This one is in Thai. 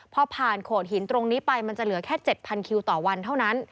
พอผ่านโขดหินตรงนี้ไปมันจะเหลือแค่๗๐๐คิวต่อวันเท่านั้น